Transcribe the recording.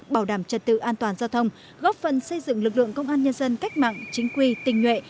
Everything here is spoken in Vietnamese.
bảo đảm trật tự an toàn giao thông góp phần xây dựng lực lượng công an nhân dân cách mạng chính quy tình nhuệ